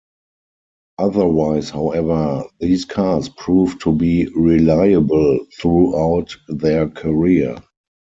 Otherwise, however, these cars proved to be reliable throughout their career.